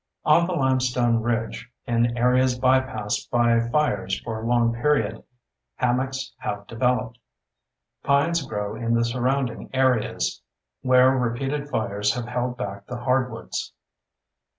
On the limestone ridge, in areas bypassed by fires for a long period, hammocks have developed. Pines grow in the surrounding areas, where repeated fires have held back the hardwoods.